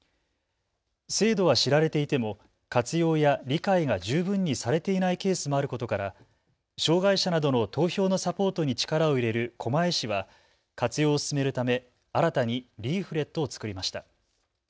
制度は知られていても活用や理解が十分にされていないケースもあることから障害者などの投票のサポートに力を入れる狛江市は活用を進めるため新たにリーフレットを作りました。